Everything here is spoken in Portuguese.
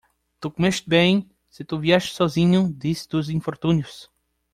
Tu comestes 'bem? se tu vieres sozinho disse dos infortúnios